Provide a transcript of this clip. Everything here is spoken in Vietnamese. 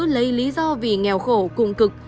lấy lý do vì nghèo khổ cùng cực